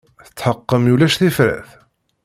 Tetḥeqqem ulac tifrat?